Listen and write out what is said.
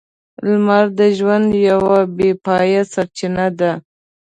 لمر د ژوند یوه بې پايه سرچینه ده.